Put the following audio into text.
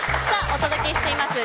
お届けしています